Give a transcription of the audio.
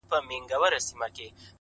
• زړه مي ورېږدېدی؛